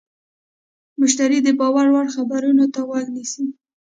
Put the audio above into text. مشتری د باور وړ خبرو ته غوږ نیسي.